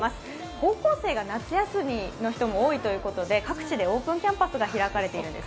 高校生が夏休みの人も多いということで各地でオープンキャンパスが開かれているんです。